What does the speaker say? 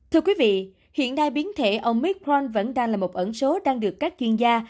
thưa quý vị hiện nay biến thể omicron vẫn đang là một ẩn số đang được các chuyên gia